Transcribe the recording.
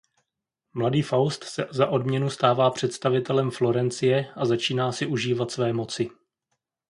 Mladý Faust se za odměnu stává představitelem Florencie a začíná si užívat své moci.